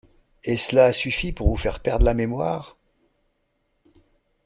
Et cela a suffi pour vous faire perdre la mémoire !